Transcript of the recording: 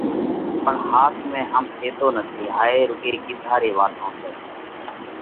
پڻ ۿاس ۾ هم ٿيتو نٿِي، هائي رُوڳي ڪِيڌا ري واتون سئہ۔